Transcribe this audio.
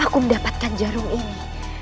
aku mendapatkan jarum ini